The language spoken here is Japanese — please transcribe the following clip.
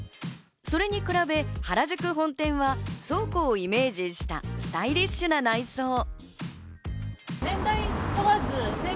それに比べ原宿本店は倉庫をイメージしたスタイリッシュな内装。